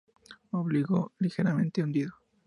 Ombligo ligeramente hundido.